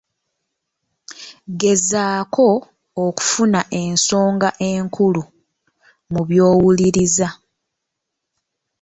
Gezaako okufuna ensonga enkulu mu by'owuliriza.